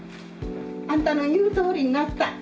あんたの言うとおりになった。